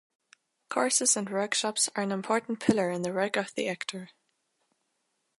Courses and workshops are an important pillar in the work of the actor.